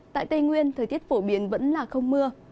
tại tây nguyên thời tiết phổ biến vẫn là không mưa